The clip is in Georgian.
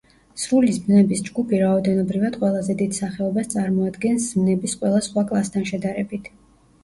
სრული ზმნების ჯგუფი რაოდენობრივად ყველაზე დიდ სახეობას წარმოადგენს ზმნების ყველა სხვა კლასთან შედარებით.